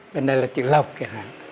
bên đây là chữ lộc kìa